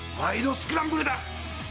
スクランブル」だ！